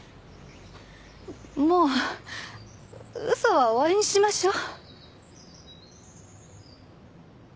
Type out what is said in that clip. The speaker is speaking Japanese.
もう嘘は終わりにしましょう。